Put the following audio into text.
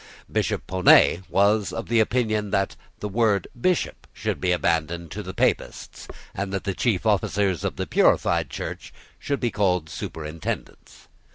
Bishop Ponet was of opinion that the word Bishop should be abandoned to the Papists, and that the chief officers of the purified church should be called Superintendents.